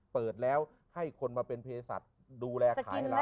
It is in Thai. เปิดแล้วให้คนมาเป็นเพศัตริย์ดูแลขายให้เรา